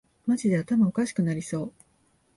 マジで頭おかしくなりそう